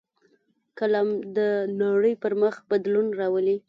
قلم د نړۍ پر مخ بدلون راولي